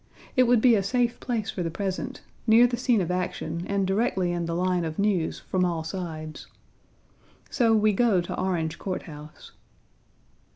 It would be a safe place for the present, near the scene of action, and directly in the line of news from all sides." So we go to Orange Court House.